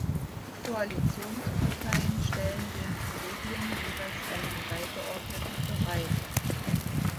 Die Koalitionsparteien stellen dem Kollegium jeweils einen Beigeordneten bereit.